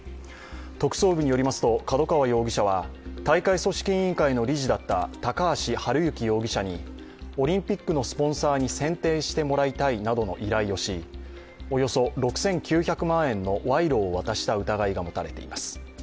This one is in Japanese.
特捜部によりますと角川容疑者は大会組織委員会の理事だった高橋治之容疑者にオリンピックのスポンサーに選定してもらいたいなどの依頼をし、およそ６９００万円の賄賂を渡した疑いが持たれています。